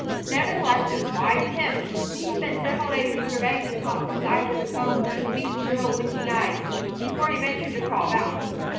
Nevertheless, it was wide to him; and he spent several days in surveying the top and sides of his home with his weak, little, blinking eyes before he ventured to crawl about.